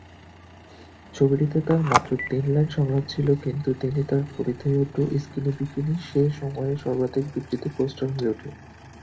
ছবিটিতে তার মাত্র তিন লাইন সংলাপ ছিল, কিন্তু তিনি তার পরিধেয় ডো-স্কিন বিকিনি সে সময়ে সর্বাধিক বিক্রিত পোস্টার হয়ে ওঠে।